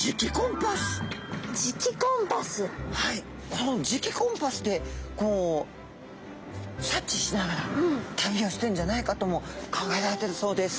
この磁気コンパスでこう察知しながら旅をしてんじゃないかとも考えられてるそうです。